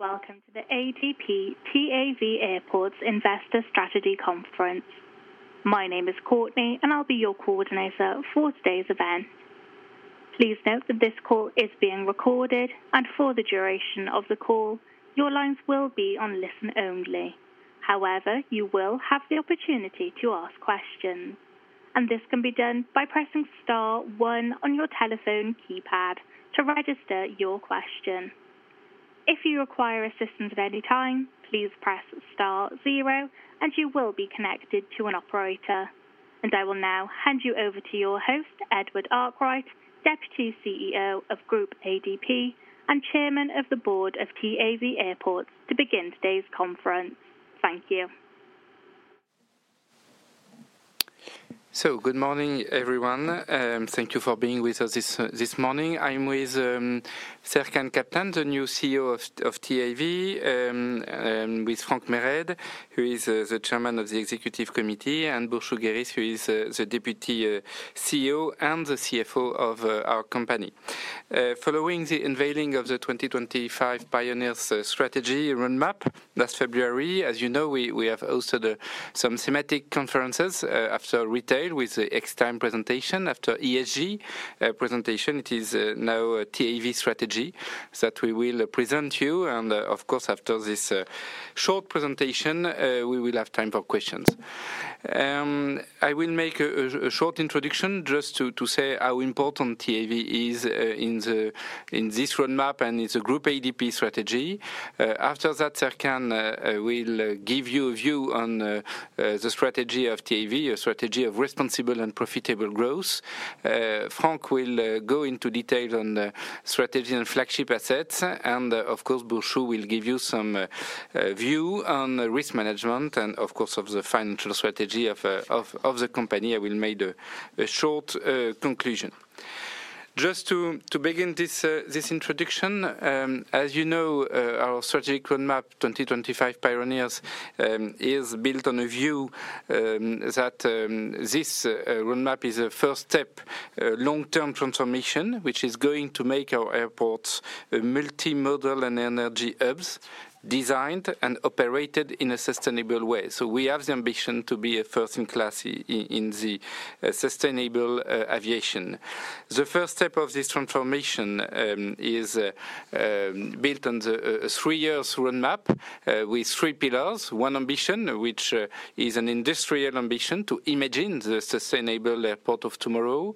Welcome to the ADP TAV Airports Investor Strategy Conference. My name is Courtney, and I'll be your coordinator for today's event. Please note that this call is being recorded, and for the duration of the call, your lines will be on listen only. However, you will have the opportunity to ask questions, and this can be done by pressing star one on your telephone keypad to register your question. If you require assistance at any time, please press star zero and you will be connected to an operator. I will now hand you over to your host, Edward Arkwright, Deputy CEO of Groupe ADP and Chairman of the Board of TAV Airports, to begin today's conference. Thank you. Good morning, everyone, thank you for being with us this morning. I'm with Serkan Kaptan, the new CEO of TAV, with Franck Mereyde, who is the Chairman of the Executive Committee, and Burcu Geriş who is the Deputy CEO and the CFO of our company. Following the unveiling of the 2025 Pioneers strategy roadmap last February, as you know, we have also some thematic conferences, after retail with the Extime presentation, after ESG presentation. It is now a TAV strategy that we will present you and of course after this short presentation, we will have time for questions. I will make a short introduction just to say how important TAV is in this roadmap, and it's a Groupe ADP strategy. After that, Serkan will give you a view on the strategy of TAV, a strategy of responsible and profitable growth. Franck will go into detail on the strategy and flagship assets, and of course, Burcu will give you some view on risk management and of course of the financial strategy of the company. I will make the short conclusion. Just to begin this introduction, as you know, our strategic roadmap, 2025 Pioneers, is built on a view that this roadmap is a first step long-term transformation, which is going to make our airports a multimodal and energy hubs designed and operated in a sustainable way. We have the ambition to be a first-class in the sustainable aviation. The first step of this transformation is built on the three years roadmap with three pillars, one ambition, which is an industrial ambition to imagine the sustainable airport of tomorrow.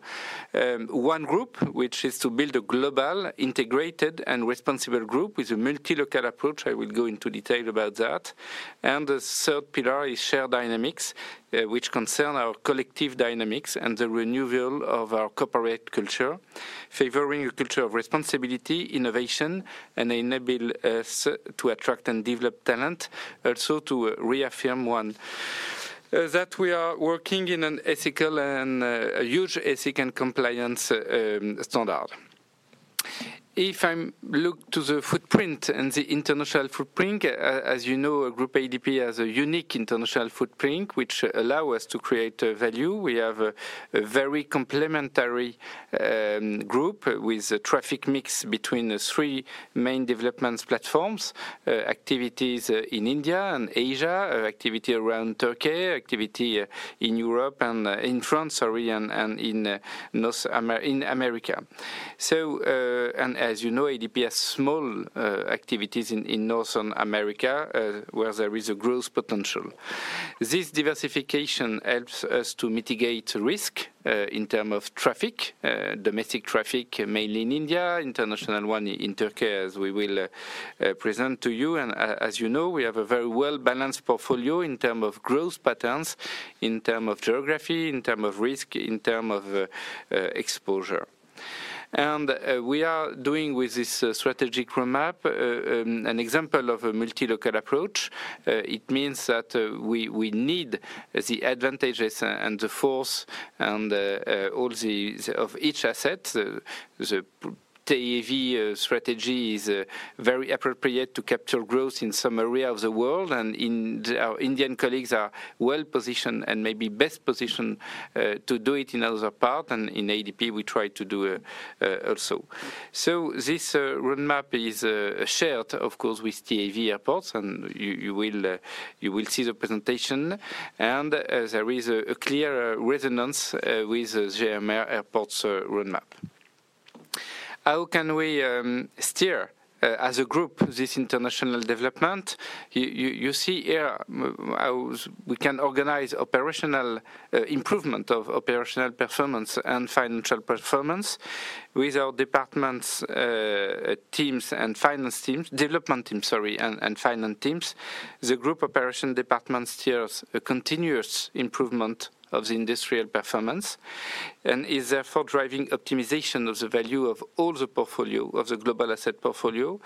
One group, which is to build a global, integrated, and responsible group with a multi-local approach. I will go into detail about that. The third pillar is shared dynamics, which concern our collective dynamics and the renewal of our corporate culture, favoring a culture of responsibility, innovation, and enable us to attract and develop talent, also to reaffirm one that we are working in an ethical and huge ethics and compliance standard. If I look to the footprint and the international footprint, as you know, Groupe ADP has a unique international footprint which allow us to create value. We have a very complementary group with a traffic mix between the three main development platforms, activities in India and Asia, activity around Turkey, activity in Europe and in France, sorry, and in America. As you know, ADP has small activities in North America, where there is a growth potential. This diversification helps us to mitigate risk in terms of traffic, domestic traffic mainly in India, international one in Turkey, as we will present to you. As you know, we have a very well-balanced portfolio in terms of growth patterns, in terms of geography, in terms of risk, in terms of exposure. We are doing with this strategic roadmap an example of a multi-local approach. It means that we need the advantages and the force and all the of each asset. The TAV strategy is very appropriate to capture growth in some area of the world, and our Indian colleagues are well positioned and maybe best positioned to do it in other part, and in ADP, we try to do also. This roadmap is shared, of course, with TAV Airports and you will see the presentation. There is a clear resonance with GMR Airports' roadmap. How can we steer as a group this international development? You see here how we can organize operational improvement of operational performance and financial performance with our departments, teams and development teams, sorry, and finance teams. The Groupe Operations Department steers a continuous improvement of the industrial performance and is therefore driving optimization of the value of all the portfolio, of the global asset portfolio,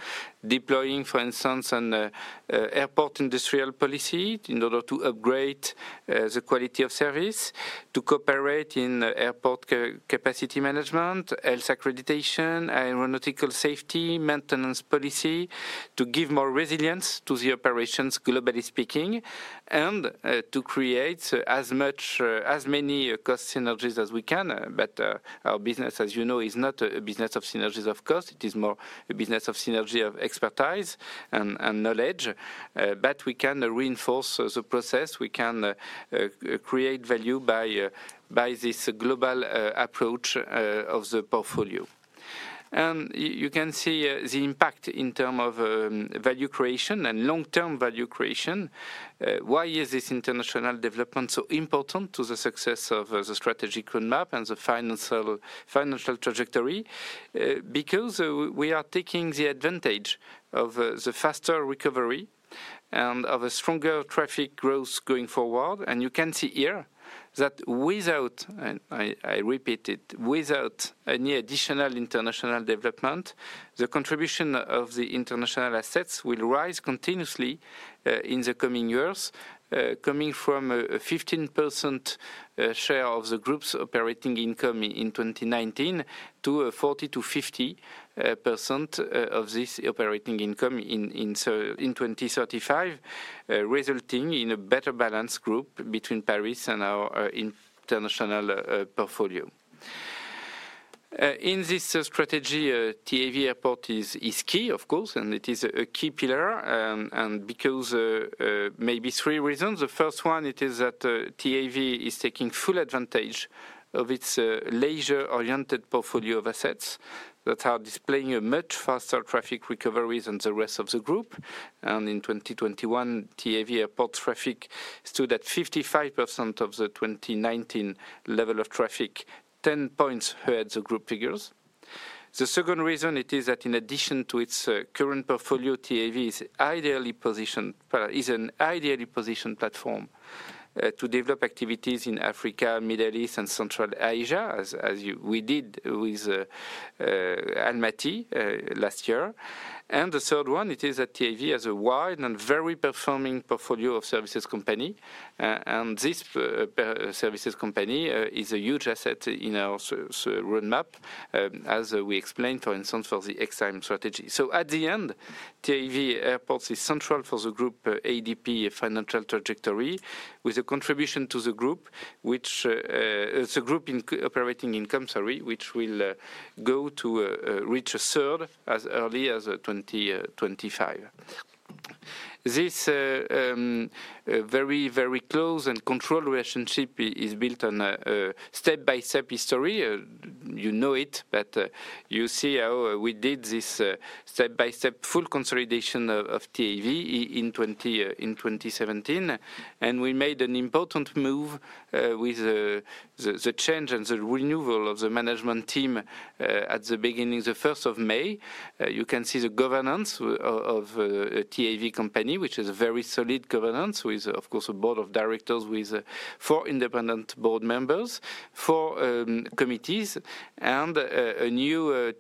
deploying, for instance, an airport industrial policy in order to upgrade the quality of service, to cooperate in airport capacity management, health accreditation, aeronautical safety, maintenance policy, to give more resilience to the operations, globally speaking, and to create as many cost synergies as we can. Our business, as you know, is not a business of synergies of cost. It is more a business of synergy of expertise and knowledge. We can reinforce the process. We can create value by this global approach of the portfolio. You can see the impact in terms of value creation and long-term value creation. Why is this international development so important to the success of the strategic roadmap and the financial trajectory? Because we are taking advantage of the faster recovery and of a stronger traffic growth going forward. You can see here that without, and I repeat it, without any additional international development, the contribution of the international assets will rise continuously in the coming years. Coming from a 15% share of the group's operating income in 2019, to a 40%-50% of this operating income in 2035, resulting in a better balanced group between Paris and our international portfolio. In this strategy, TAV Airports is key of course, and it is a key pillar because maybe three reasons. The first one is that TAV is taking full advantage of its leisure-oriented portfolio of assets that are displaying a much faster traffic recovery than the rest of the group. In 2021 TAV Airports traffic stood at 55% of the 2019 level of traffic, 10 points ahead of the group figures. The second reason is that in addition to its current portfolio, TAV is an ideally positioned platform to develop activities in Africa, Middle East, and Central Asia, as we did with Almaty last year. The third one is that TAV has a wide and very performing portfolio of services company. And this services company is a huge asset in our strategic roadmap, as we explained, for instance, for the Extime strategy. At the end, TAV Airports is central for the Groupe ADP financial trajectory with a contribution to the group's operating income, sorry, which will go to reach a third as early as 2025. This very close and controlled relationship is built on a step-by-step history. You know it, but you see how we did this step-by-step full consolidation of TAV in 2017. We made an important move with the change and the renewal of the management team at the beginning the first of May. You can see the governance of TAV Airports, which is a very solid governance with, of course, a board of directors with four independent board members, four committees and a new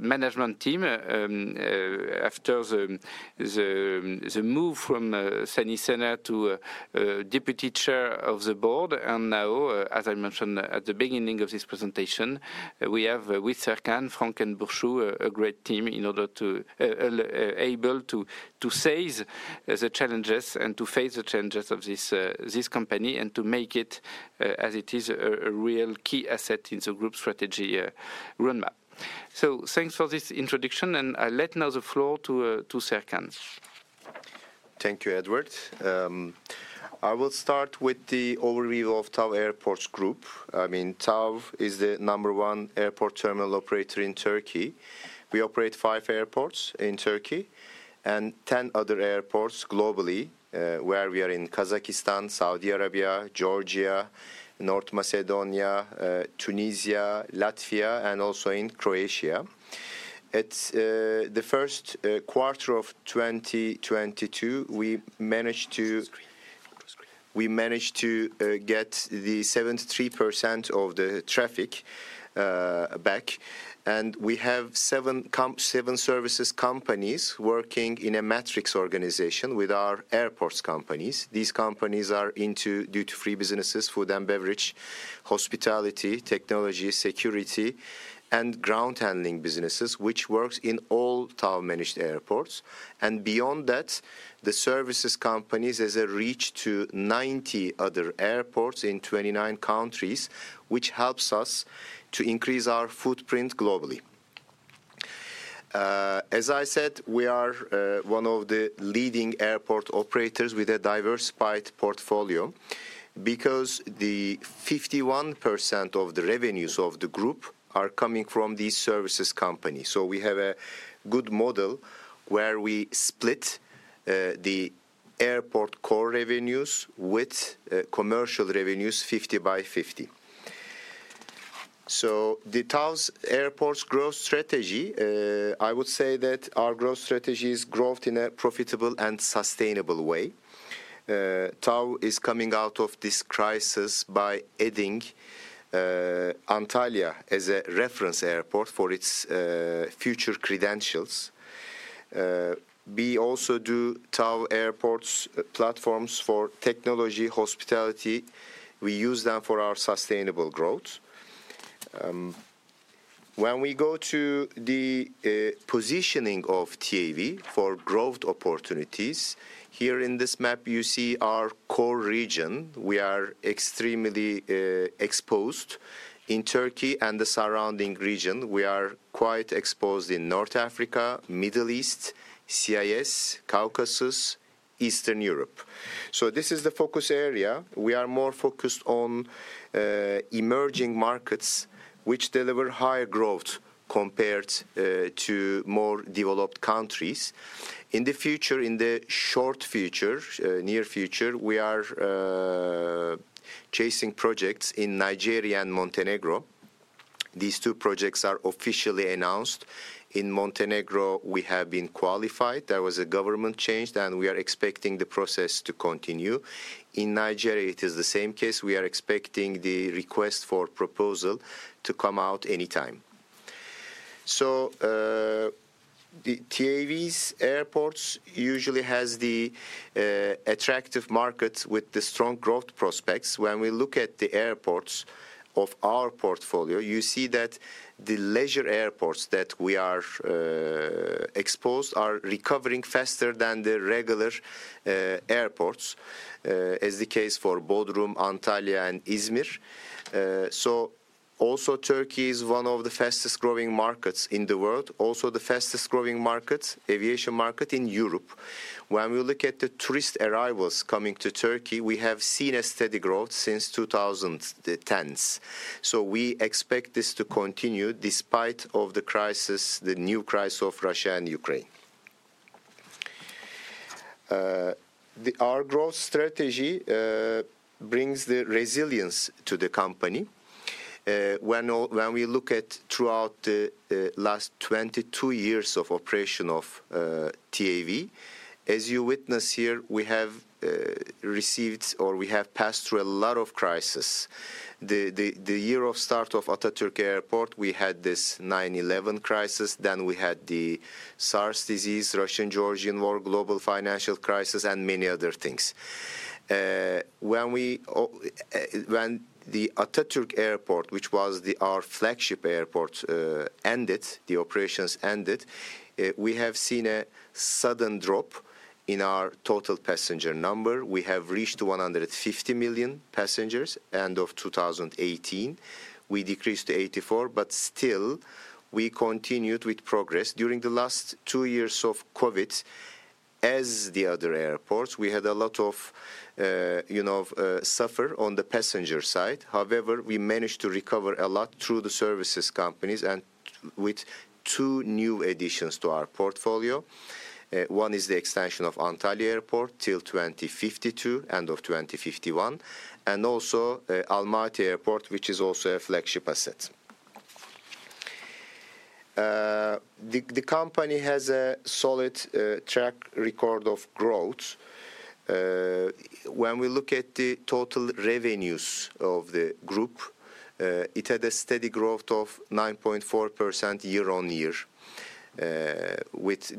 management team. After the move from Sani Şener to deputy chair of the board. Now, as I mentioned at the beginning of this presentation, we have with Serkan, Franck and Burcu a great team in order to able to seize the challenges and to face the challenges of this company and to make it as it is a real key asset in the group strategy roadmap. Thanks for this introduction, and I let now the floor to Serkan. Thank you, Edward. I will start with the overview of TAV Airports Group. I mean, TAV is the number one airport terminal operator in Turkey. We operate five airports in Turkey and 10 other airports globally, where we are in Kazakhstan, Saudi Arabia, Georgia, North Macedonia, Tunisia, Latvia, and also in Croatia. At the first quarter of 2022, we managed to. Close to screen. We managed to get the 73% of the traffic back. We have seven services companies working in a matrix organization with our airports companies. These companies are into duty free businesses, food and beverage, hospitality, technology, security, and ground handling businesses, which works in all TAV-managed airports. Beyond that, the services companies has a reach to 90 other airports in 29 countries, which helps us to increase our footprint globally. As I said, we are one of the leading airport operators with a diversified portfolio because the 51% of the revenues of the group are coming from these services companies. We have a good model where we split the airport core revenues with commercial revenues 50/50. The TAV Airports' growth strategy, I would say that our growth strategy is growth in a profitable and sustainable way. TAV Airports is coming out of this crisis by adding Antalya as a reference airport for its future credentials. We also do TAV Airports platforms for technology, hospitality. We use them for our sustainable growth. When we go to the positioning of TAV Airports for growth opportunities, here in this map you see our core region. We are extremely exposed in Turkey and the surrounding region. We are quite exposed in North Africa, Middle East, CIS, Caucasus, Eastern Europe. This is the focus area. We are more focused on emerging markets which deliver higher growth compared to more developed countries. In the future, in the short future, near future, we are chasing projects in Nigeria and Montenegro. These two projects are officially announced. In Montenegro, we have been qualified. There was a government change, and we are expecting the process to continue. In Nigeria, it is the same case. We are expecting the request for proposal to come out any time. TAV Airports usually has the attractive markets with the strong growth prospects. When we look at the airports of our portfolio, you see that the leisure airports that we are exposed are recovering faster than the regular airports, as is the case for Bodrum, Antalya, and Izmir. Also Turkey is one of the fastest-growing markets in the world, also the fastest-growing aviation market in Europe. When we look at the tourist arrivals coming to Turkey, we have seen a steady growth since the 2010s. We expect this to continue despite of the crisis, the new crisis of Russia and Ukraine. Our growth strategy brings the resilience to the company. When we look throughout the last 22 years of operation of TAV, as you witness here, we have received or we have passed through a lot of crisis. The year of start of Atatürk Airport, we had this 9/11 crisis, then we had the SARS disease, Russo-Georgian War, Global Financial Crisis, and many other things. When the Atatürk Airport, which was our flagship airport, ended, the operations ended, we have seen a sudden drop in our total passenger number. We have reached 150 million passengers end of 2018. We decreased to 84 million, but still we continued with progress. During the last two years of COVID-19, as the other airports, we had a lot of, you know, of, suffering on the passenger side. However, we managed to recover a lot through the services companies and with two new additions to our portfolio. One is the expansion of Antalya Airport till 2052, end of 2051, and also, Almaty Airport, which is also a flagship asset. The company has a solid track record of growth. When we look at the total revenues of the group, it had a steady growth of 9.4% year-on-year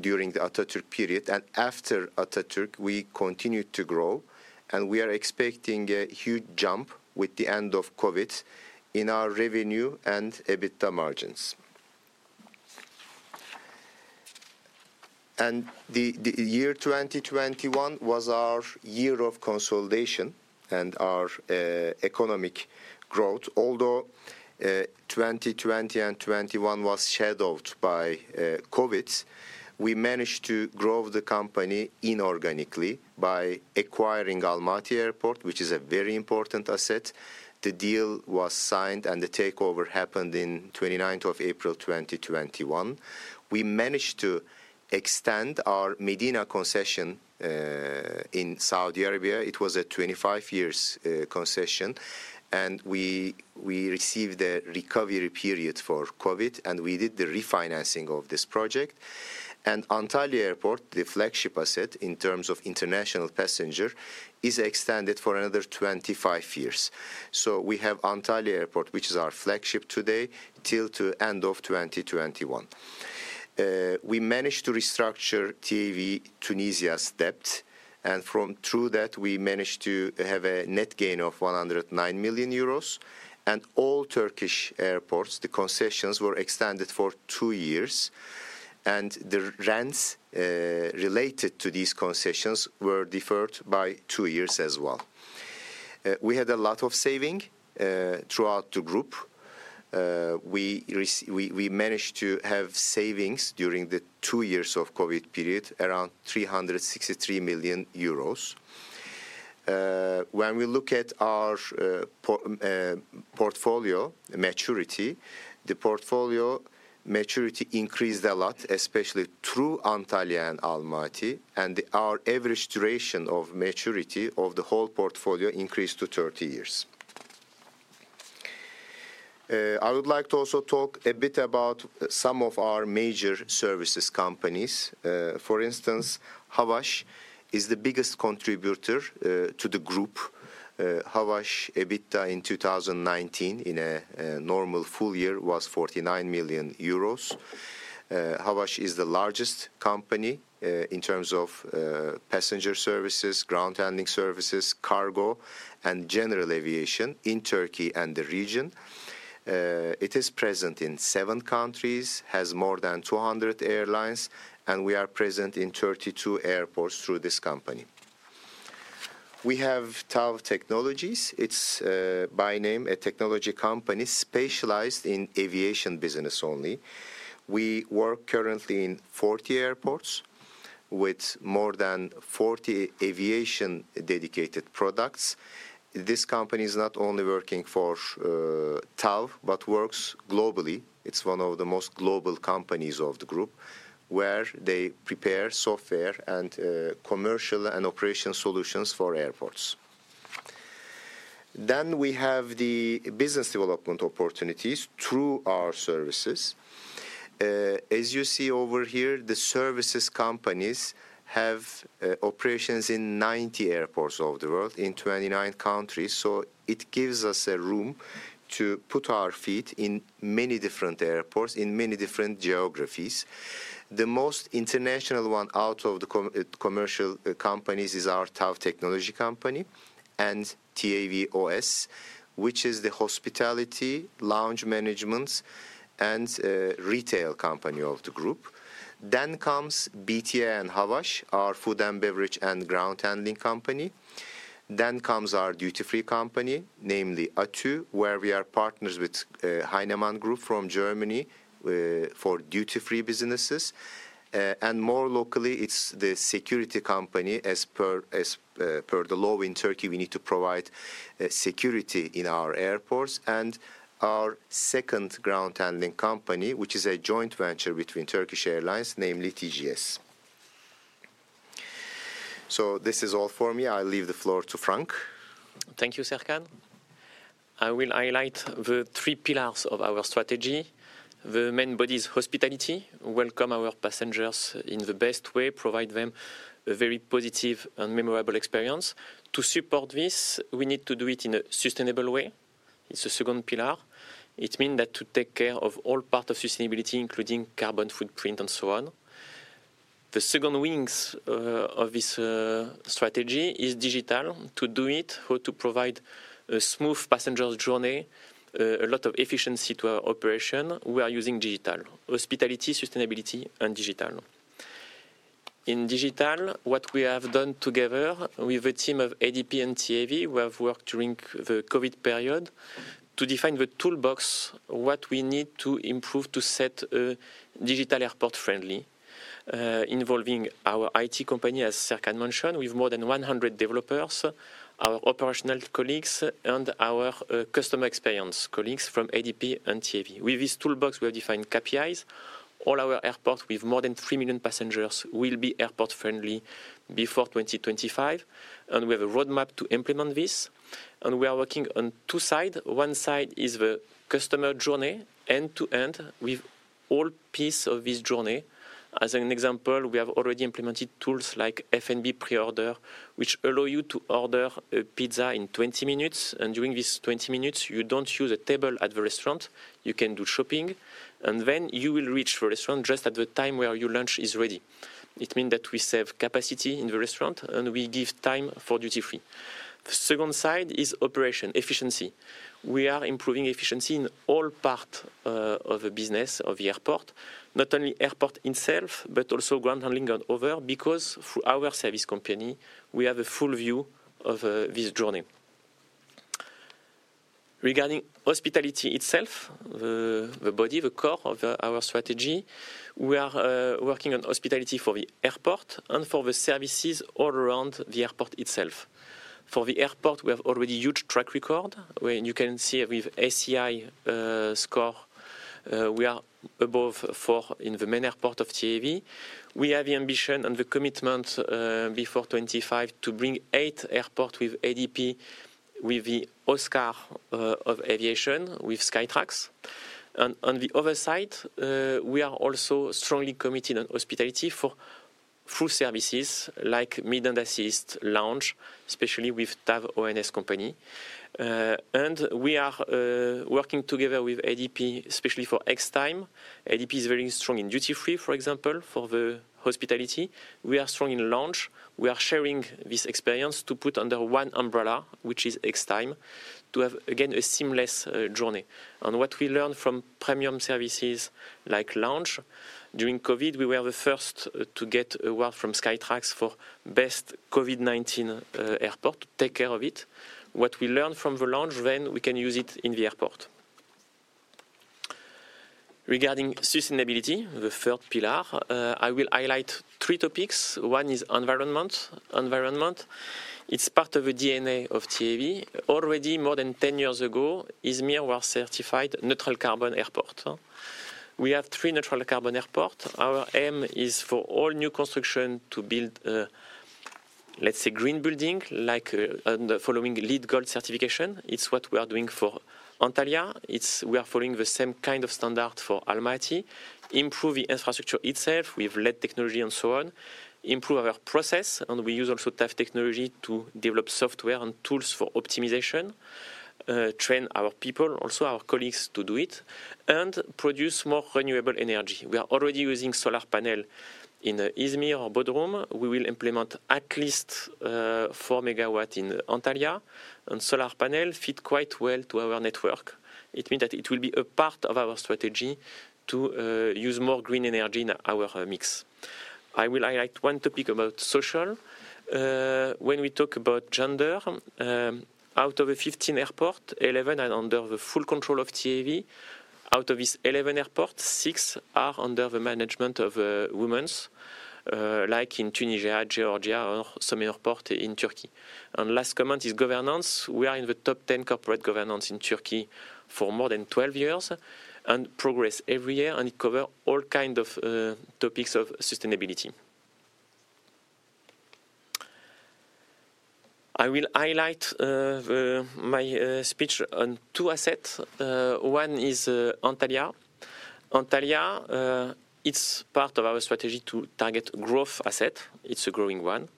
during the Atatürk period. After Atatürk, we continued to grow, and we are expecting a huge jump with the end of COVID-19 in our revenue and EBITDA margins. The year 2021 was our year of consolidation and our economic growth. Although 2020 and 2021 was shadowed by COVID, we managed to grow the company inorganically by acquiring Almaty Airport, which is a very important asset. The deal was signed, and the takeover happened on 29th of April 2021. We managed to extend our Medina concession in Saudi Arabia. It was a 25-year concession, and we received a recovery period for COVID, and we did the refinancing of this project. Antalya Airport, the flagship asset in terms of international passenger, is extended for another 25 years. We have Antalya Airport, which is our flagship today, till the end of 2021. We managed to restructure TAV Tunisia's debt, and through that, we managed to have a net gain of 109 million euros. All Turkish airports, the concessions were extended for two years, and the rents related to these concessions were deferred by two years as well. We had a lot of saving throughout the group. We managed to have savings during the two years of COVID-19 period, around 363 million euros. When we look at our portfolio maturity, the portfolio maturity increased a lot, especially through Antalya and Almaty, and our average duration of maturity of the whole portfolio increased to 30 years. I would like to also talk a bit about some of our major services companies. For instance, Havaş is the biggest contributor to the group. Havaş EBITDA in 2019, in a normal full year, was 49 million euros. Havaş is the largest company in terms of passenger services, ground handling services, cargo, and general aviation in Turkey and the region. It is present in seven countries, has more than 200 airlines, and we are present in 32 airports through this company. We have TAV Technologies. It's by name a technology company specialized in aviation business only. We work currently in 40 airports with more than 40 aviation dedicated products. This company is not only working for TAV, but works globally. It's one of the most global companies of the group, where they prepare software and commercial and operation solutions for airports. We have the business development opportunities through our services. As you see over here, the services companies have operations in 90 airports all over the world in 29 countries. It gives us a room to put our feet in many different airports, in many different geographies. The most international one out of the commercial companies is our TAV Technologies company and TAV OS, which is the hospitality, lounge managements, and retail company of the group. BTA and Havaş, our food and beverage and ground handling company. Our duty-free company, namely ATÜ, where we are partners with Gebr. Heinemann from Germany, for duty-free businesses. More locally, it's the security company. As per the law in Turkey, we need to provide security in our airports. Our second ground handling company, which is a joint venture between Turkish Airlines, namely TGS. This is all for me. I leave the floor to Franck. Thank you, Serkan. I will highlight the three pillars of our strategy. The main body is hospitality. Welcome our passengers in the best way, provide them a very positive and memorable experience. To support this, we need to do it in a sustainable way. It's the second pillar. It means that to take care of all part of sustainability, including carbon footprint and so on. The second wings of this strategy is digital. To do it, or to provide a smooth passenger journey, a lot of efficiency to our operation, we are using digital. Hospitality, sustainability, and digital. In digital, what we have done together with a team of ADP and TAV, we have worked during the COVID period to define the toolbox, what we need to improve to set a digital airport friendly, involving our IT company, as Serkan mentioned, with more than 100 developers, our operational colleagues and our customer experience colleagues from ADP and TAV. With this toolbox, we have defined KPIs. All our airports with more than 3 million passengers will be airport friendly before 2025, and we have a roadmap to implement this. We are working on two sides. One side is the customer journey, end-to-end, with all pieces of this journey. As an example, we have already implemented tools like F&B preorder, which allow you to order a pizza in 20 minutes, and during these 20 minutes, you don't use a table at the restaurant. You can do shopping, and then you will reach the restaurant just at the time where your lunch is ready. It mean that we save capacity in the restaurant, and we give time for duty free. The second side is operation, efficiency. We are improving efficiency in all part of the business of the airport. Not only airport itself, but also ground handling and other, because through our service company, we have a full view of this journey. Regarding hospitality itself, the body, the core of our strategy, we are working on hospitality for the airport and for the services all around the airport itself. For the airport, we have already huge track record, where you can see with ACI score, we are above four in the main airport of TAV. We have the ambition and the commitment, before 2025 to bring eight airports with ADP with the Oscar of aviation with Skytrax. On the other side, we are also strongly committed on hospitality for full services like meet and assist, lounge, especially with TAV Operation Services. We are working together with ADP, especially for Extime. ADP is very strong in duty free, for example, for the hospitality. We are strong in lounge. We are sharing this experience to put under one umbrella, which is Extime, to have, again, a seamless journey. What we learned from premium services like lounge, during COVID, we were the first to get award from Skytrax for best COVID-19 airport. Take care of it. What we learned from the lounge, then we can use it in the airport. Regarding sustainability, the third pillar, I will highlight three topics. One is environment. Environment, it's part of a DNA of TAV. Already more than 10 years ago, Izmir was certified carbon neutral airport. We have three carbon neutral airports. Our aim is for all new construction to build, let's say, green buildings like aiming for the LEED Gold certification. It's what we are doing for Antalya. We are following the same kind of standard for Almaty, improving infrastructure itself with LED technology and so on. Improve our process, and we use also TAV technology to develop software and tools for optimization. Train our people, also our colleagues to do it. Produce more renewable energy. We are already using solar panels in Izmir or Bodrum. We will implement at least 4 MW in Antalya. Solar panels fit quite well to our network. It means that it will be a part of our strategy to use more green energy in our mix. I will highlight one topic about social. When we talk about gender, out of the 15 airports, 11 are under the full control of TAV. Out of these 11 airports, six are under the management of women, like in Tunisia, Georgia, or some airports in Turkey. Last comment is governance. We are in the top 10 corporate governance in Turkey for more than 12 years and progress every year, and it cover all kind of topics of sustainability. I will highlight my speech on two assets. One is Antalya. Antalya, it's part of our strategy to target growth asset. It's a growing one,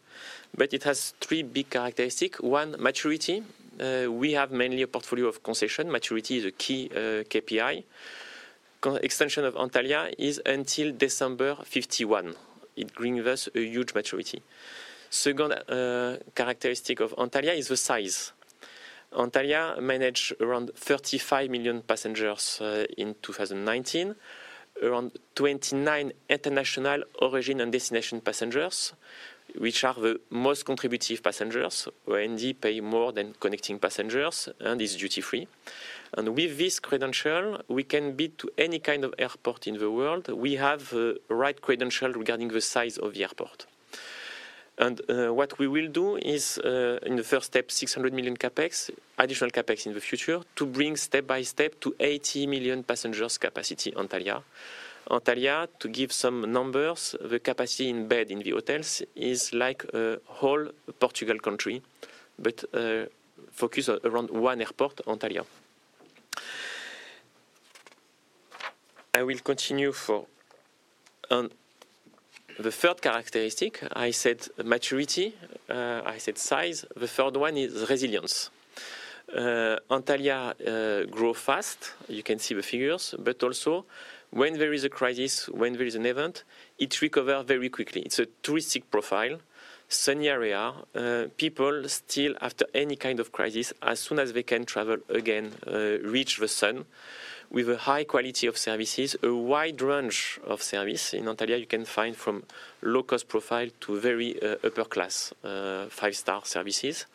but it has three big characteristic. One, maturity. We have mainly a portfolio of concession. Maturity is a key KPI. Extension of Antalya is until December 2051. It bring us a huge maturity. Second, characteristic of Antalya is the size. Antalya manage around 35 million passengers in 2019, around 29 international origin and destination passengers, which are the most contributive passengers, O&D pay more than connecting passengers and is duty-free. With this credential, we can be to any kind of airport in the world. We have the right credential regarding the size of the airport. What we will do is, in the first step, 600 million CapEx, additional CapEx in the future to bring step by step to 80 million passengers capacity Antalya. Antalya, to give some numbers, the capacity in bed in the hotels is like a whole Portugal country, but focus around one airport, Antalya. I will continue for the third characteristic. I said maturity, I said size. The third one is resilience. Antalya grow fast, you can see the figures, but also when there is a crisis, when there is an event, it recover very quickly. It's a touristic profile, sunny area. People still, after any kind of crisis, as soon as they can travel again, reach the sun with a high quality of services, a wide range of service. In Antalya, you can find from low cost profile to very upper class, five-star services.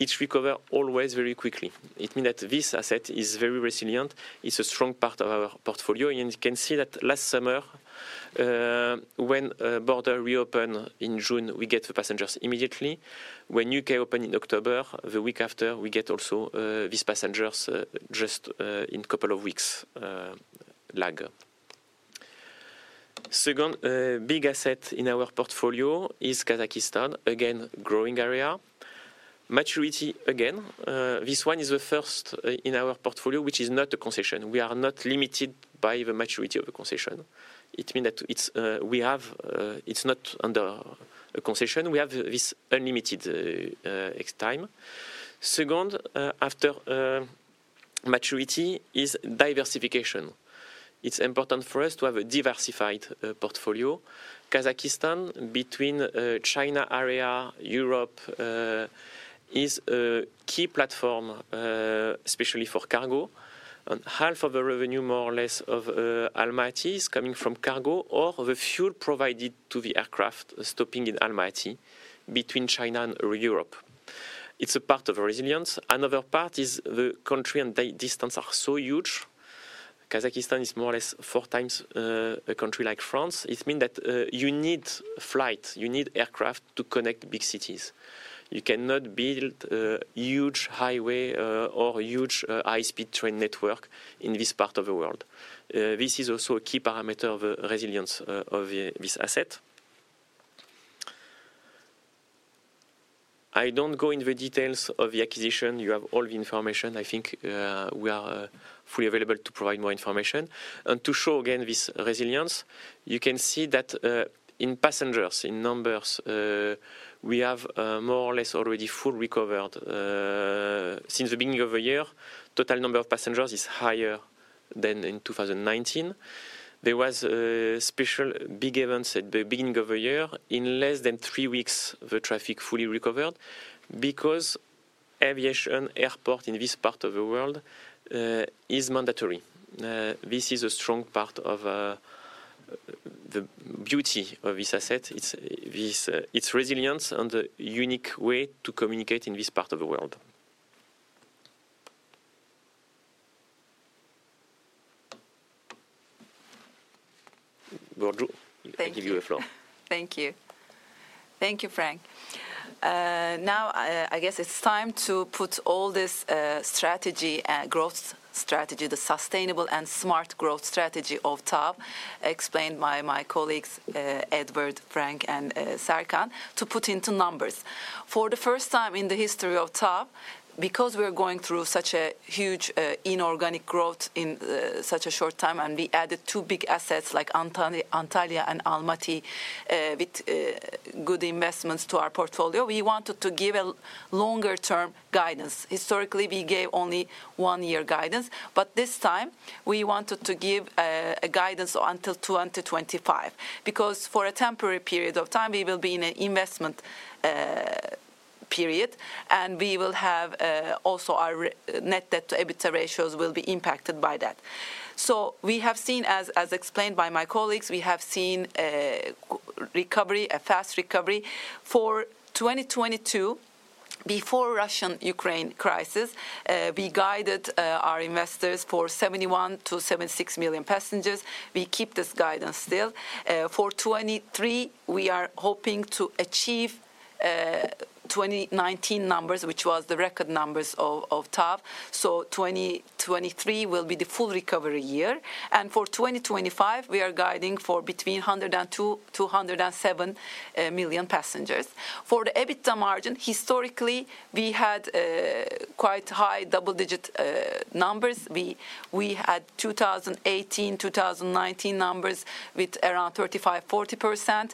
It recover always very quickly. It mean that this asset is very resilient. It's a strong part of our portfolio. You can see that last summer, when a border reopen in June, we get the passengers immediately. When U.K. open in October, the week after, we get also these passengers just in couple of weeks lag. Second, big asset in our portfolio is Kazakhstan. Again, growing area. Maturity again, this one is the first in our portfolio, which is not a concession. We are not limited by the maturity of the concession. It mean that it's not under a concession. We have this unlimited next time. Second, after maturity is diversification. It's important for us to have a diversified portfolio. Kazakhstan between China area, Europe is a key platform especially for cargo. Half of the revenue more or less of Almaty is coming from cargo or the fuel provided to the aircraft stopping in Almaty between China and Europe. It's a part of resilience. Another part is the country and the distance are so huge. Kazakhstan is more or less four times a country like France. It mean that you need flights, you need aircraft to connect big cities. You cannot build a huge highway or huge high-speed train network in this part of the world. This is also a key parameter of resilience of this asset. I don't go into the details of the acquisition. You have all the information. I think we are fully available to provide more information. To show again this resilience, you can see that in passengers, in numbers, we have more or less already full recovered. Since the beginning of the year, total number of passengers is higher than in 2019. There was a special big event at the beginning of the year. In less than three weeks, the traffic fully recovered because having an airport in this part of the world is mandatory. This is a strong part of the beauty of this asset. It's resilience and the unique way to communicate in this part of the world. Burcu? Thank you. I give you the floor. Thank you. Thank you, Franck. Now, I guess it's time to put all this, strategy, growth strategy, the sustainable and smart growth strategy of TAV explained by my colleagues, Edward, Franck, and, Serkan, to put into numbers. For the first time in the history of TAV, because we are going through such a huge, inorganic growth in, such a short time, and we added two big assets like Antalya and Almaty, with, good investments to our portfolio, we wanted to give a longer term guidance. Historically, we gave only one-year guidance, but this time we wanted to give, a guidance until 2025. Because for a temporary period of time, we will be in a investment period. We will have also our net debt to EBITDA ratios will be impacted by that. We have seen, as explained by my colleagues, a recovery, a fast recovery. For 2022, before Russia-Ukraine crisis, we guided our investors for 71 million-76 million passengers. We keep this guidance still. For 2023, we are hoping to achieve 2019 numbers, which was the record numbers of TAV. 2023 will be the full recovery year. For 2025, we are guiding for between 102 million-107 million passengers. For the EBITDA margin, historically, we had quite high double-digit numbers. We had 2018, 2019 numbers with around 35%-40%.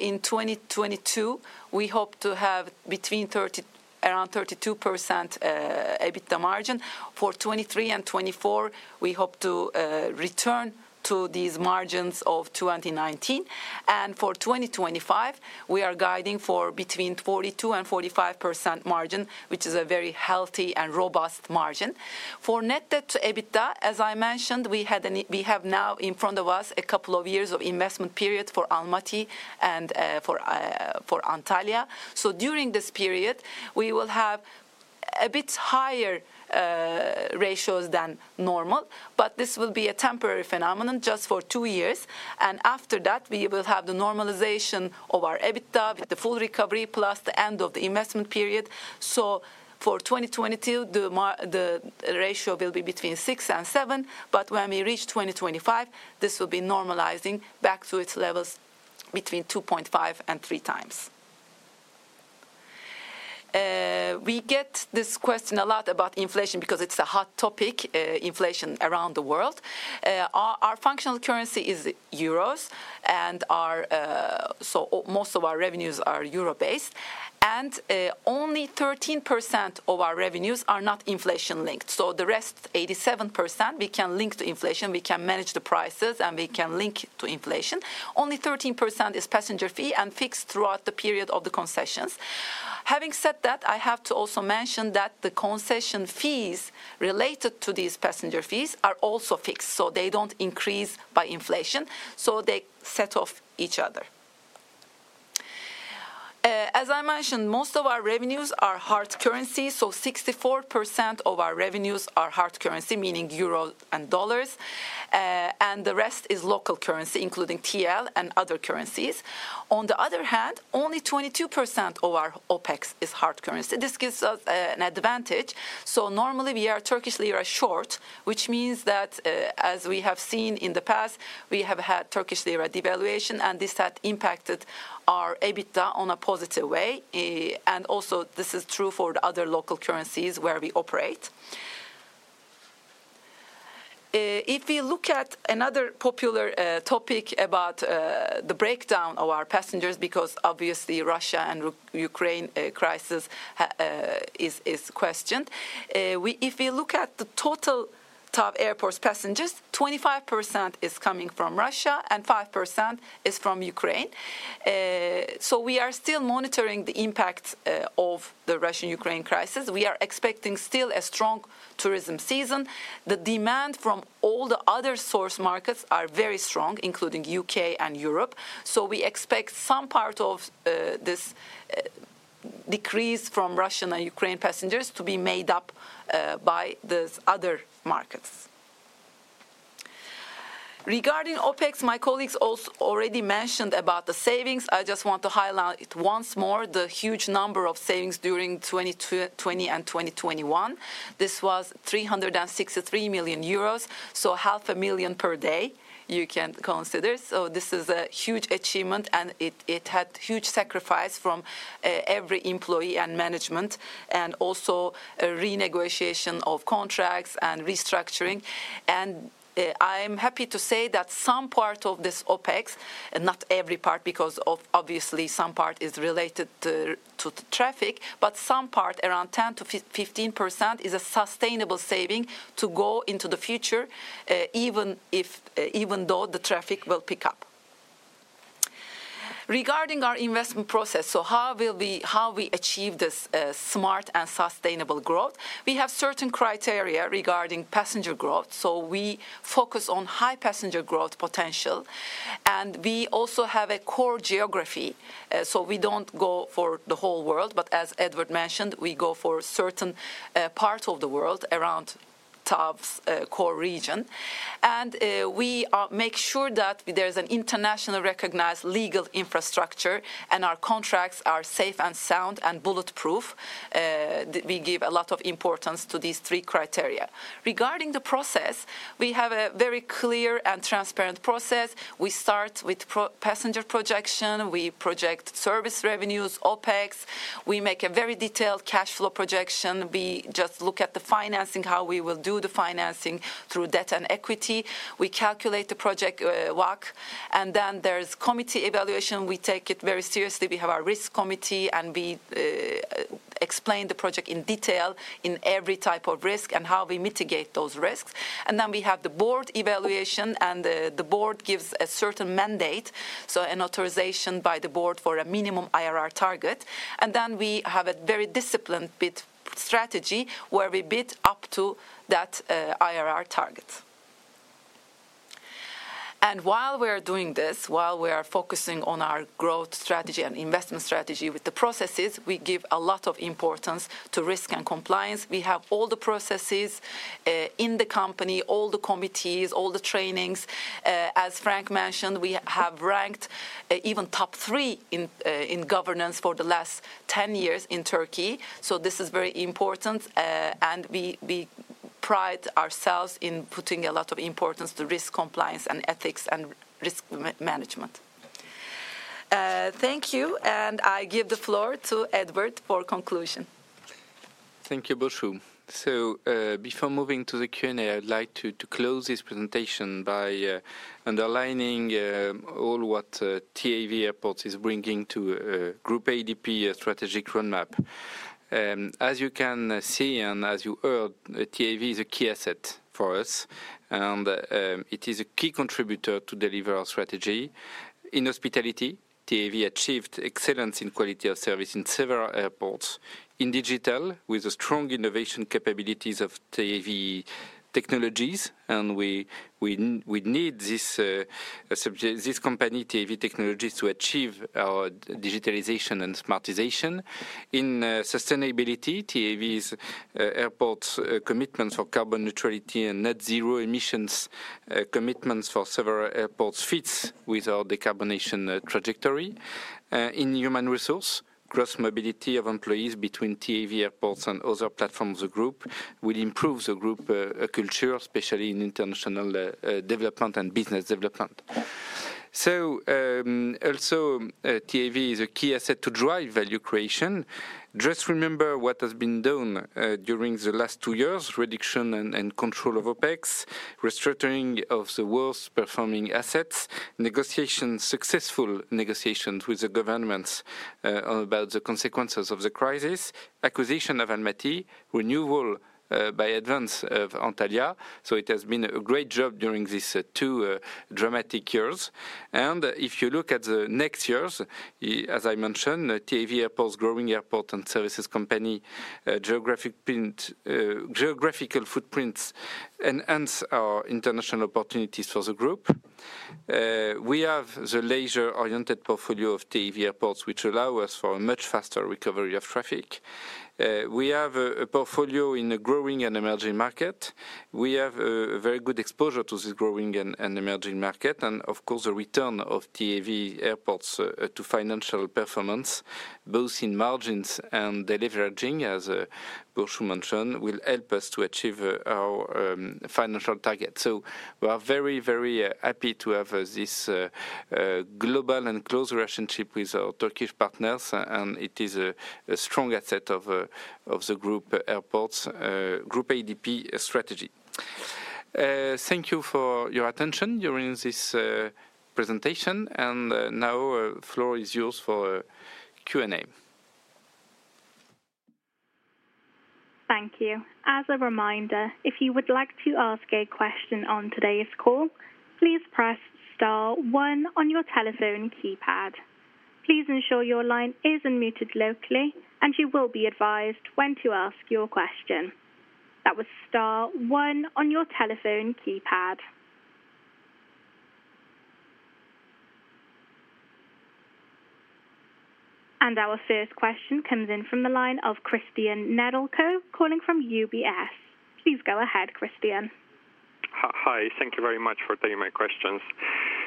In 2022, we hope to have between 30%, around 32% EBITDA margin. For 2023 and 2024, we hope to return to these margins of 2019. For 2025, we are guiding for between 42% and 45% margin, which is a very healthy and robust margin. For net debt to EBITDA, as I mentioned, we have now in front of us a couple of years of investment period for Almaty and for Antalya. During this period, we will have a bit higher ratios than normal, but this will be a temporary phenomenon just for two years. After that, we will have the normalization of our EBITDA with the full recovery plus the end of the investment period. For 2022, the ratio will be between 6 and 7, but when we reach 2025, this will be normalizing back to its levels between 2.5 and 3x. We get this question a lot about inflation because it's a hot topic, inflation around the world. Our functional currency is euros and our most of our revenues are euro-based. Only 13% of our revenues are not inflation-linked. The rest, 87%, we can link to inflation, we can manage the prices, and we can link to inflation. Only 13% is passenger fee and fixed throughout the period of the concessions. Having said that, I have to also mention that the concession fees related to these passenger fees are also fixed, so they don't increase by inflation, so they set off each other. As I mentioned, most of our revenues are hard currency, 64% of our revenues are hard currency, meaning euros and dollars, and the rest is local currency, including TL and other currencies. On the other hand, only 22% of our OpEx is hard currency. This gives us an advantage. Normally, we are Turkish lira short, which means that as we have seen in the past, we have had Turkish lira devaluation, and this had impacted our EBITDA on a positive way. Also this is true for the other local currencies where we operate. If you look at another popular topic about the breakdown of our passengers, because obviously Russia and Ukraine crisis is questioned. If you look at the total TAV Airports passengers, 25% is coming from Russia and 5% is from Ukraine. We are still monitoring the impact of the Russian-Ukraine crisis. We are expecting still a strong tourism season. The demand from all the other source markets are very strong, including UK and Europe. We expect some part of this decrease from Russian and Ukraine passengers to be made up by these other markets. Regarding OpEx, my colleagues already mentioned about the savings. I just want to highlight it once more, the huge number of savings during 2020 and 2021. This was 363 million euros, so half a million per day you can consider. This is a huge achievement, and it had huge sacrifice from every employee and management, and also a renegotiation of contracts and restructuring. I'm happy to say that some part of this OpEx, and not every part because obviously some part is related to traffic, but some part, around 10%-15%, is a sustainable saving to go into the future, even though the traffic will pick up. Regarding our investment process, how we achieve this smart and sustainable growth. We have certain criteria regarding passenger growth, so we focus on high passenger growth potential. We also have a core geography. We don't go for the whole world, but as Edward mentioned, we go for certain part of the world around TAV's core region. We make sure that there's an internationally recognized legal infrastructure, and our contracts are safe and sound and bulletproof. We give a lot of importance to these three criteria. Regarding the process, we have a very clear and transparent process. We start with per-passenger projection. We project service revenues, OpEx. We make a very detailed cash flow projection. We just look at the financing, how we will do the financing through debt and equity. We calculate the project WACC, and then there's committee evaluation. We take it very seriously. We have our risk committee, and we explain the project in detail in every type of risk and how we mitigate those risks. We have the board evaluation and the board gives a certain mandate, so an authorization by the board for a minimum IRR target. We have a very disciplined bid strategy where we bid up to that IRR target. While we're doing this, while we are focusing on our growth strategy and investment strategy with the processes, we give a lot of importance to risk and compliance. We have all the processes in the company, all the committees, all the trainings. As Franck mentioned, we have ranked even top three in governance for the last 10 years in Turkey, so this is very important. We pride ourselves in putting a lot of importance to risk compliance and ethics and risk management. Thank you, and I give the floor to Edward for conclusion. Thank you, Burcu. Before moving to the Q&A, I'd like to close this presentation by underlining all what TAV Airports is bringing to Groupe ADP strategic roadmap. As you can see and as you heard, TAV is a key asset for us and it is a key contributor to deliver our strategy. In hospitality, TAV achieved excellence in quality of service in several airports. In digital, with the strong innovation capabilities of TAV Technologies, and we need this subject, this company, TAV Technologies, to achieve our digitalization and smartization. In sustainability, TAV's airports commitments for carbon neutrality and net zero emissions commitments for several airports fits with our decarbonization trajectory. In human resource, cross-mobility of employees between TAV Airports and other platforms or group will improve the group culture, especially in international development and business development. Also, TAV is a key asset to drive value creation. Just remember what has been done during the last two years, reduction and control of OpEx, restructuring of the worst performing assets, negotiations, successful negotiations with the governments about the consequences of the crisis, acquisition of Almaty, renewal by advance of Antalya. It has been a great job during these two dramatic years. If you look at the next years, as I mentioned, TAV Airport's growing airport and services company, geographical footprints enhance our international opportunities for the group. We have the leisure-oriented portfolio of TAV Airports, which allow us for a much faster recovery of traffic. We have a portfolio in the growing and emerging market. We have a very good exposure to this growing and emerging market and, of course, the return of TAV Airports to financial performance, both in margins and deleveraging, as Burcu mentioned, will help us to achieve our financial targets. We are very, very happy to have this global and close relationship with our Turkish partners, and it is a strong asset of the Groupe ADP strategy. Thank you for your attention during this presentation and now the floor is yours for Q&A. Thank you. As a reminder, if you would like to ask a question on today's call, please press star one on your telephone keypad. Please ensure your line is unmuted locally and you will be advised when to ask your question. That was star one on your telephone keypad. Our first question comes in from the line of Cristian Nedelcu calling from UBS. Please go ahead, Cristian. Hi. Thank you very much for taking my questions,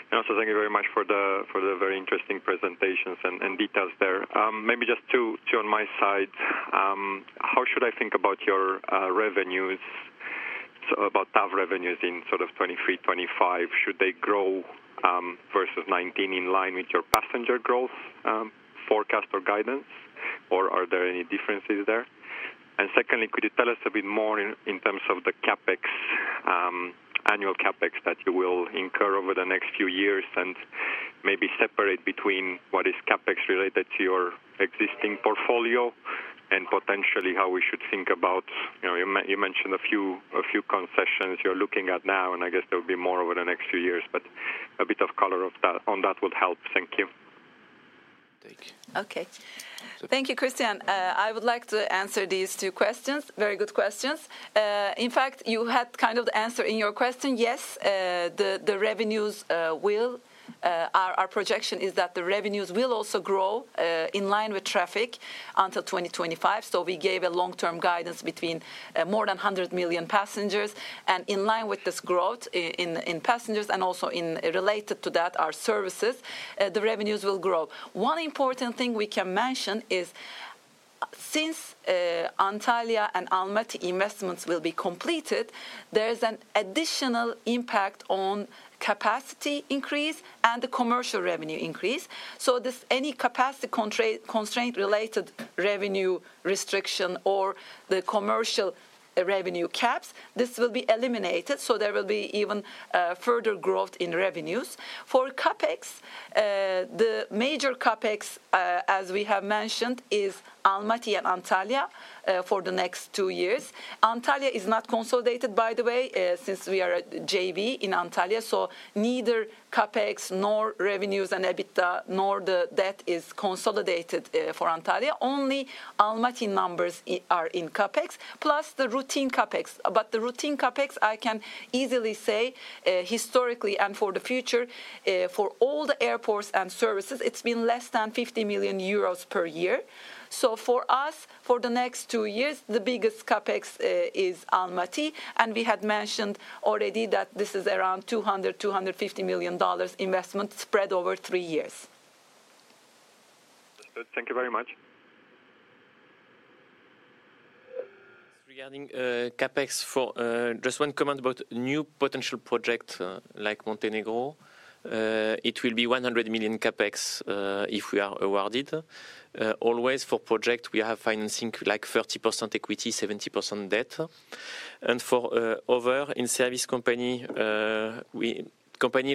and also thank you very much for the very interesting presentations and details there. Maybe just two on my side. How should I think about your revenues, so about TAV revenues in sort of 2023, 2025? Should they grow versus 2019 in line with your passenger growth forecast or guidance, or are there any differences there? Secondly, could you tell us a bit more in terms of the CapEx, annual CapEx that you will incur over the next few years and maybe separate between what is CapEx related to your existing portfolio and potentially how we should think about, you know, you mentioned a few concessions you're looking at now, and I guess there'll be more over the next few years, but a bit of color on that would help? Thank you. Thank you. Okay. Thank you, Cristian. I would like to answer these two questions. Very good questions. In fact, you had kind of the answer in your question. Yes, the revenues will. Our projection is that the revenues will also grow in line with traffic until 2025. We gave a long-term guidance between more than 100 million passengers. In line with this growth in passengers and also in relation to that, our services, the revenues will grow. One important thing we can mention is since Antalya and Almaty investments will be completed, there is an additional impact on capacity increase and the commercial revenue increase. This, any capacity constraint related revenue restriction or the commercial. As revenue caps, this will be eliminated, so there will be even further growth in revenues. For CapEx, the major CapEx, as we have mentioned is Almaty and Antalya, for the next two years. Antalya is not consolidated by the way, since we are a JV in Antalya, so neither CapEx nor revenues and EBITDA nor the debt is consolidated, for Antalya. Only Almaty numbers are in CapEx, plus the routine CapEx. The routine CapEx I can easily say, historically and for the future, for all the airports and services, it's been less than 50 million euros per year. For us, for the next two years, the biggest CapEx is Almaty, and we had mentioned already that this is around $200 million-$250 million investment spread over three years. Thank you very much. Regarding CapEx for just one comment about new potential project like Montenegro. It will be 100 million CapEx if we are awarded. Always for project we have financing like 30% equity, 70% debt. For other in-service company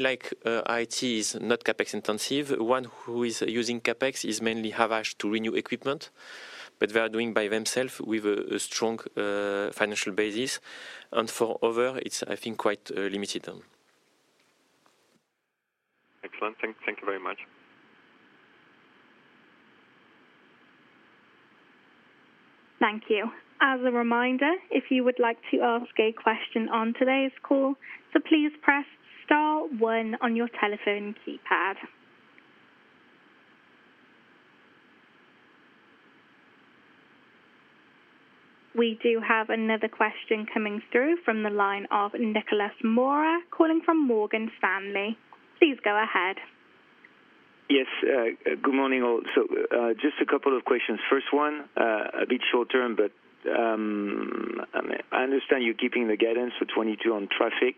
like IT is not CapEx intensive. One who is using CapEx is mainly Havaş to renew equipment, but they are doing by themselves with a strong financial basis. For other, it's I think quite limited. Excellent. Thank you very much. Thank you. As a reminder, if you would like to ask a question on today's call, so please press star one on your telephone keypad. We do have another question coming through from the line of Nicolas Mora, calling from Morgan Stanley. Please go ahead. Yes, good morning all. Just a couple of questions. First one, a bit short-term, but I understand you're keeping the guidance for 2022 on traffic.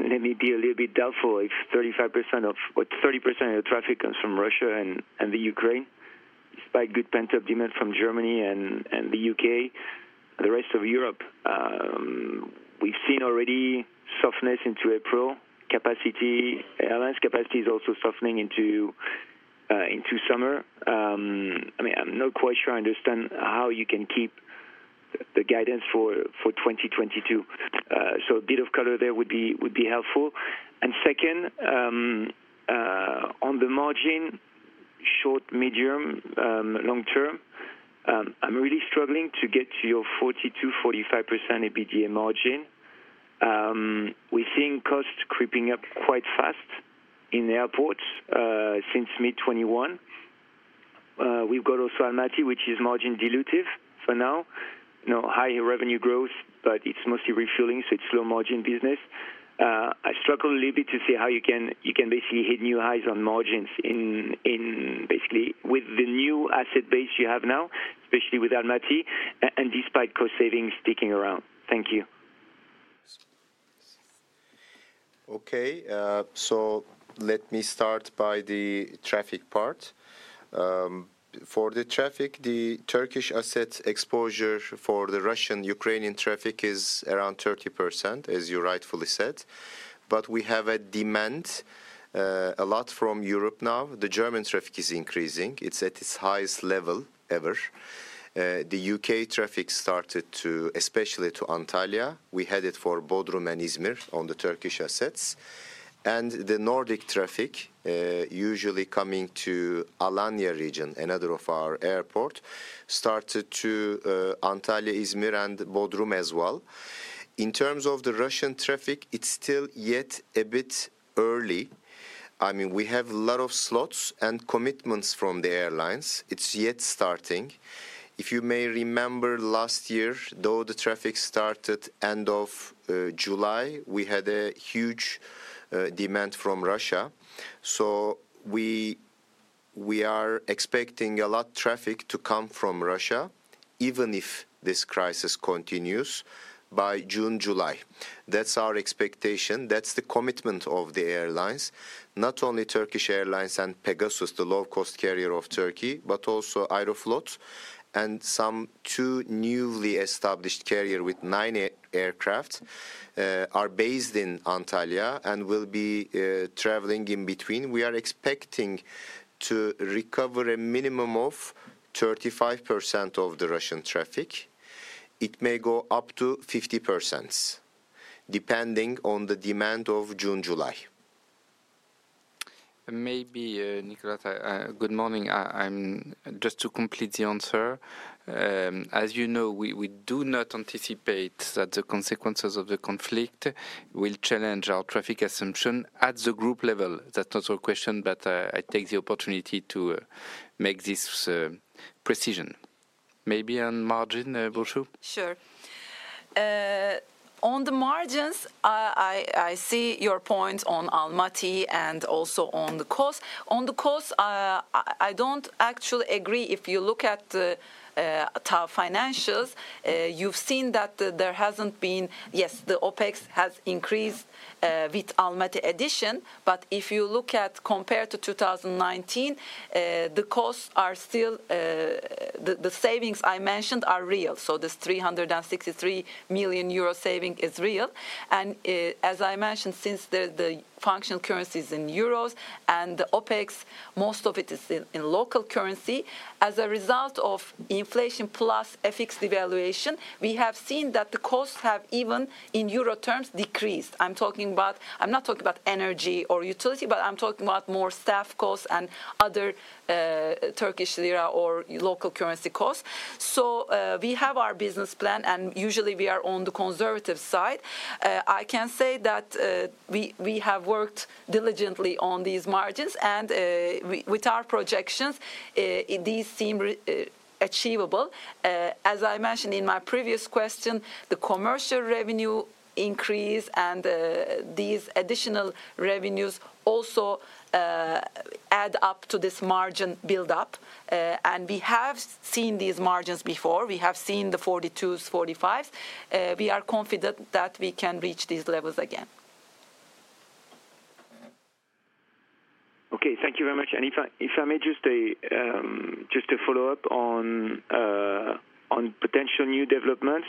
Let me be a little bit doubtful if 35% or 30% of the traffic comes from Russia and Ukraine, despite good pent-up demand from Germany and the UK. The rest of Europe, we've seen already softness into April. Airline capacity is also softening into summer. I mean, I'm not quite sure I understand how you can keep the guidance for 2022. A bit of color there would be helpful. Second, on the margin, short, medium, long-term, I'm really struggling to get to your 42%-45% EBITDA margin. We're seeing costs creeping up quite fast in the airports since mid-2021. We've got also Almaty, which is margin dilutive for now. You know, high revenue growth, but it's mostly refueling, so it's slow margin business. I struggle a little bit to see how you can basically hit new highs on margins in basically with the new asset base you have now, especially with Almaty and despite cost saving sticking around. Thank you. Okay, let me start by the traffic part. For the traffic, the Turkish asset exposure for the Russian-Ukrainian traffic is around 30%, as you rightfully said. We have a demand, a lot from Europe now. The German traffic is increasing. It's at its highest level ever. The U.K. traffic started to, especially to Antalya. We had it for Bodrum and Izmir on the Turkish assets. The Nordic traffic, usually coming to Alanya region, another of our airport, started to, Antalya, Izmir, and Bodrum as well. In terms of the Russian traffic, it's still yet a bit early. I mean, we have a lot of slots and commitments from the airlines. It's yet starting. If you may remember last year, though the traffic started end of July, we had a huge demand from Russia. We are expecting a lot of traffic to come from Russia, even if this crisis continues by June, July. That's our expectation. That's the commitment of the airlines, not only Turkish Airlines and Pegasus Airlines, the low-cost carrier of Turkey, but also Aeroflot and some two newly established carriers with nine aircraft are based in Antalya and will be traveling in between. We are expecting to recover a minimum of 35% of the Russian traffic. It may go up to 50%, depending on the demand of June, July. Maybe, Nicolas, good morning. Just to complete the answer. As you know, we do not anticipate that the consequences of the conflict will challenge our traffic assumption at the group level. That's not your question, but I take the opportunity to make this precision. Maybe on margin, Burcu? Sure. On the margins, I see your point on Almaty and also on the cost. On the cost, I don't actually agree. If you look at the TAV financials, you've seen that there hasn't been. Yes, the OpEx has increased with Almaty addition. But if you look at compared to 2019. The costs are still the savings I mentioned are real. This 363 million euro saving is real. As I mentioned, since the functional currency's in euros and the OpEx, most of it is in local currency. As a result of inflation plus FX devaluation, we have seen that the costs have even in euro terms decreased. I'm talking about. I'm not talking about energy or utility, but I'm talking about more staff costs and other Turkish lira or local currency costs. We have our business plan, and usually we are on the conservative side. I can say that we have worked diligently on these margins, and with our projections, these seem achievable. As I mentioned in my previous question, the commercial revenue increase and these additional revenues also add up to this margin build-up. We have seen these margins before. We have seen the 42s, 45s. We are confident that we can reach these levels again. Okay. Thank you very much. If I may just a follow-up on potential new developments.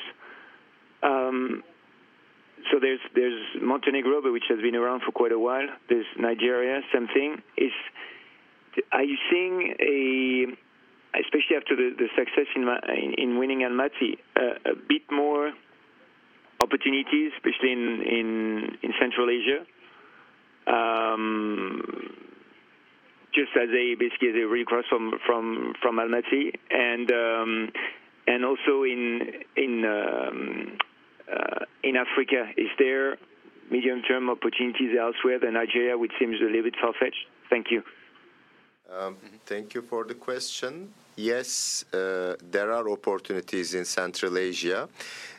There's Montenegro, but which has been around for quite a while. There's Nigeria, same thing. Are you seeing a especially after the success in winning Almaty a bit more opportunities especially in Central Asia just as they basically they request from Almaty and also in Africa? Is there medium-term opportunities elsewhere than Nigeria, which seems a little bit far-fetched? Thank you. Thank you for the question. Yes, there are opportunities in Central Asia.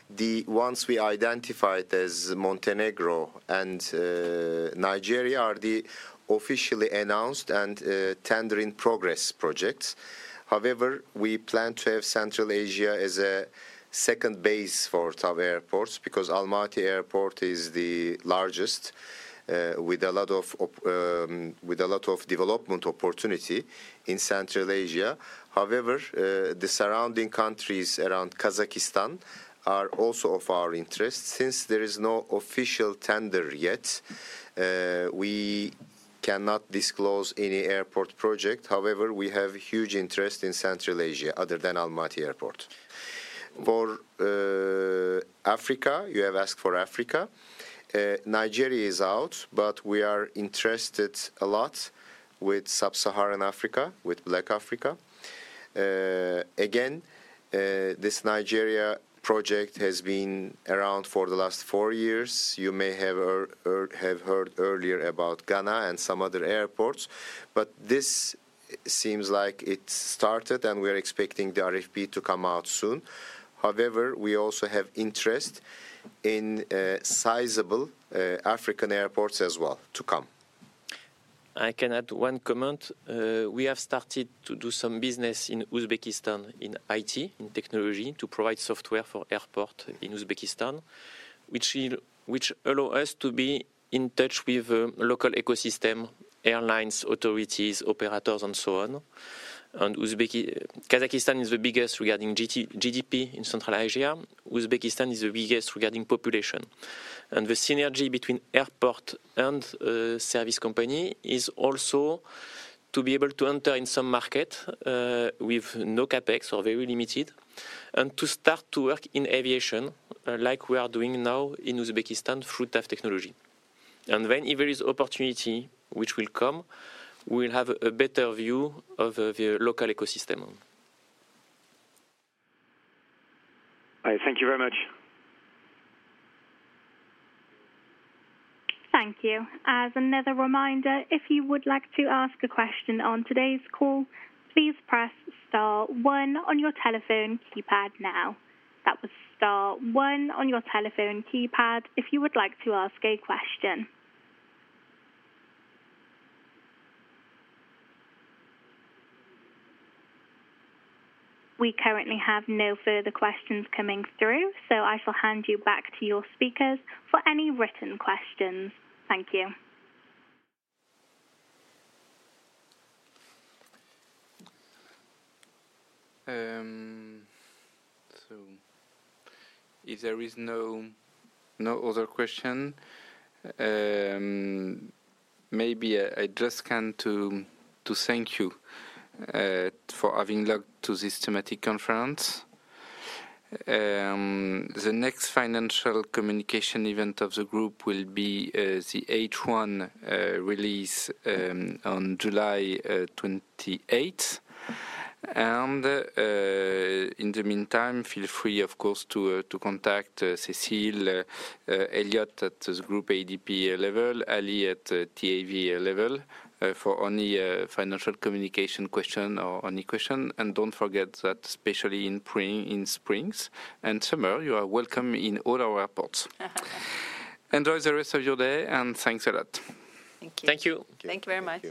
The ones we identified as Montenegro and Nigeria are the officially announced and tendering progress projects. However, we plan to have Central Asia as a second base for TAV Airports because Almaty Airport is the largest with a lot of development opportunity in Central Asia. However, the surrounding countries around Kazakhstan are also of our interest. Since there is no official tender yet, we cannot disclose any airport project. However, we have huge interest in Central Asia other than Almaty Airport. For Africa, you have asked for Africa. Nigeria is out, but we are interested a lot with Sub-Saharan Africa, with Black Africa. Again, this Nigeria project has been around for the last four years. You may have heard earlier about Ghana and some other airports, but this seems like it started, and we're expecting the RFP to come out soon. However, we also have interest in sizable African airports as well to come. I can add one comment. We have started to do some business in Uzbekistan in IT, in technology, to provide software for airport in Uzbekistan, which allow us to be in touch with local ecosystem, airlines, authorities, operators and so on. Kazakhstan is the biggest regarding GDP in Central Asia. Uzbekistan is the biggest regarding population. The synergy between airport and service company is also to be able to enter in some market with no CapEx or very limited, and to start to work in aviation like we are doing now in Uzbekistan through TAV Technologies. When there is opportunity which will come, we'll have a better view of the local ecosystem. All right. Thank you very much. Thank you. As another reminder, if you would like to ask a question on today's call, please press star one on your telephone keypad now. That was star one on your telephone keypad if you would like to ask a question. We currently have no further questions coming through, so I shall hand you back to your speakers for any written questions. Thank you. If there is no other question, maybe I just can to thank you for having logged to this thematic conference. The next financial communication event of the group will be the H1 release on July 28. In the meantime, feel free, of course, to contact Cécile, Elliot at the Groupe ADP level, Ali at TAV level for any financial communication question or any question. Don't forget that especially in spring and summer, you are welcome in all our airports. Enjoy the rest of your day, and thanks a lot. Thank you. Thank you. Thank you very much.